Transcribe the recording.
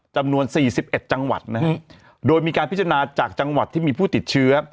จำนวน๔๑จังหวัดนะฮะโดยมีการพิจารณาจากจังหวัดที่มีผู้ติดเชื้อ